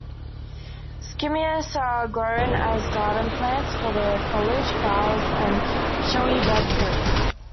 Skimmias are grown as garden plants for their foliage, flowers, and showy red fruits.